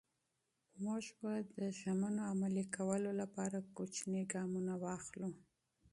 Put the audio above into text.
موږ به د ژمنو عملي کولو لپاره کوچني ګامونه واخلو.